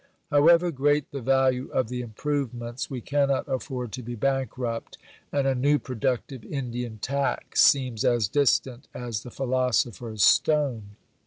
However great the value of the improvements, we cannot afford to be bankrupt, and a new productive Indian tax seems as distant as the philosopher's stone.